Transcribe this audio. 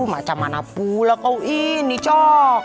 macam mana pula kau ini cok